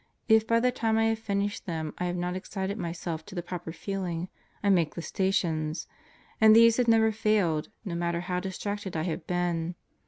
If by the time I have finished them I have not excited myself to the proper feeling, I make the Stations. And these have never failed, no matter how distracted I have been.